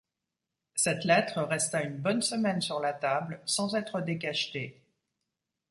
Cette lettre resta une bonne semaine sur la table sans être décachetée.